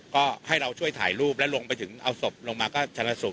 ก็ให้เราช่วยถ่ายรูปและลงไปถึงเอาศพลงมาก็ชนะสูต